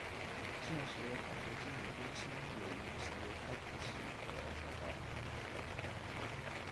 现时环球金融中心也因形如开瓶器而遭到民众调侃。